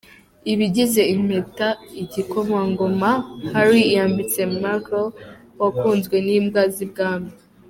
Ibigize impeta igikomangoma Harry yambitse Markle wakunzwe n’imbwa z’ibwami.